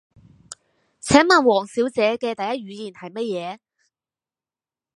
請問王小姐嘅第一語言係乜嘢？